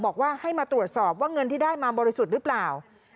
บอกว่าให้มาตรวจสอบว่าเงินที่ได้มาบริสุทธิ์หรือเปล่า